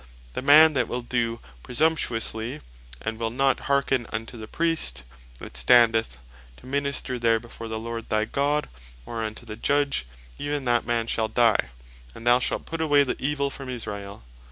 "The man that will doe presumptuously, and will not hearken unto the Priest, (that standeth to Minister there before the Lord thy God, or unto the Judge,) even that man shall die, and thou shalt put away the evill from Israel."